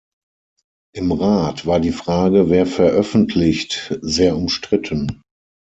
Im Rat war die Frage, wer veröffentlicht, sehr umstritten.